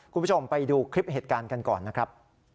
คุณผู้ชมไปดูคลิปเหตุการณ์กันก่อนนะครับ